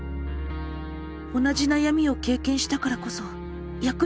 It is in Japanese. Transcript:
同じ悩みを経験したからこそ役に立てるはず。